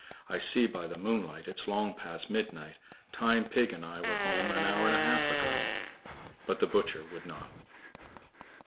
I see by the moonlight It's long past midnight; Time pig and I were home an hour and a half ago." But the butcher would not.